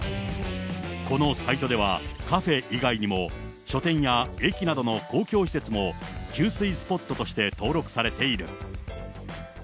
このサイトでは、カフェ以外にも書店や駅などの公共施設も給水スポットとして登録されている。